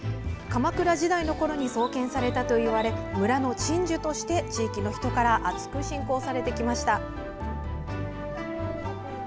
鎌倉時代のころに創建されたといわれ村の鎮守として地域の人から厚く信仰されてきました。